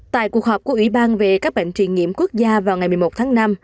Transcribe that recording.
tại cuộc họp của ủy ban về các bệnh truyền nhiễm quốc gia vào ngày một mươi một tháng năm